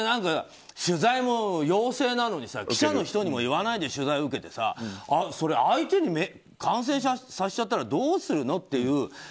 取材も陽性なのに記者の人にも言わないで取材受けてさそれ、相手に感染させちゃったらどうするのっていう。